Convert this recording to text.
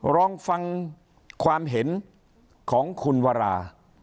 ลองฟังความเห็นของคุณวรา